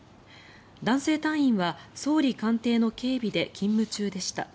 男性隊員は総理官邸の警備で勤務中でした。